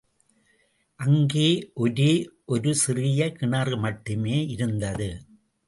அங்கே ஒரே ஒரு சிறிய கிணறு மட்டுமே இருந்தது.